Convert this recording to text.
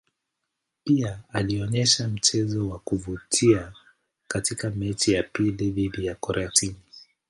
Pia alionyesha mchezo wa kuvutia katika mechi ya pili dhidi ya Korea Kusini.